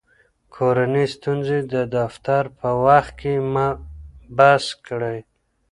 کورني ستونزې د دفتر په وخت کې مه بحث کړئ.